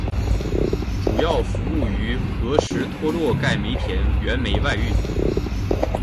主要服务于和什托洛盖煤田原煤外运。